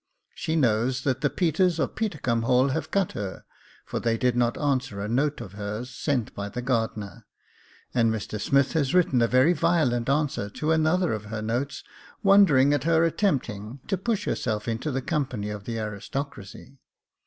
She knows that the Peters of Petercumb Hall have cut her, for they did not answer a note of hers, sent by the gardener ; and Mr Smith has written a very violent answer to another of her notes, wondering at her attempting to push herself into the company of the aristocracy.